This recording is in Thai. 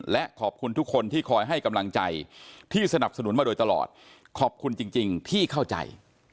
และขอบคุณทุกคนที่คอยให้กำลังใจที่สนับสนุนมาโดยตลอดขอบคุณจริงที่เข้าใจ